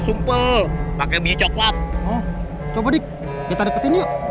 sumpel pakai biji coklat coba diketepin yuk